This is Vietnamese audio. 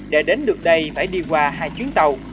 để đến được đây phải đi qua hai chuyến tàu